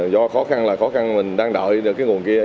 do khó khăn là khó khăn mình đang đợi được cái nguồn kia